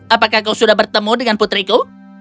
apakah kau sudah bertemu dengan putriku